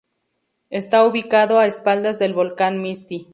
Está ubicado a espaldas del volcán Misti.